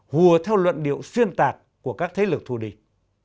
hùa theo luận điệu xuyên tạc của các thế lực thù địch